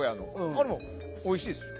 あれもおいしいです。